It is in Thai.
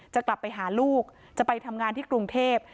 จะกลับไปหาลูกจะไปทำงานที่กรุงเทพ